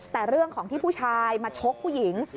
แต่เรื่องของที่ผู้ชายมาชกผู้หญิง